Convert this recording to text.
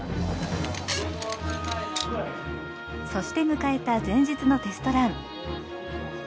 そして迎えた前日のテストラン。